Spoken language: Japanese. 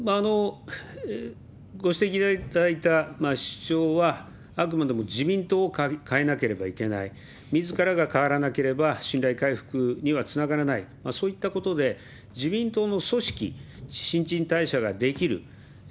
ご指摘いただいた主張は、あくまでも自民党を変えなければいけない、みずからが変わらなければ、信頼回復にはつながらない、そういったことで、自民党の組織、新陳代謝ができる。